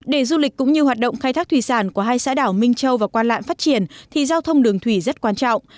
để du lịch cũng như hoạt động khai thác thủy sản của hai xã đảo minh châu và quan lạng phát triển thì giao thông đường thủy rất quan trọng